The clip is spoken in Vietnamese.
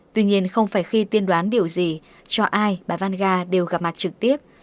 tuy nhiên không phải khi tiên đoán điều gì cho ai bà vanga đều gặp mặt trực tiếp